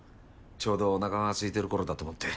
ちょうどおなかがすいてる頃だと思って。